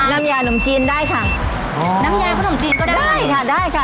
น้ำยานมจีนได้ค่ะอ๋อน้ำยาขนมจีนก็ได้ค่ะได้ค่ะ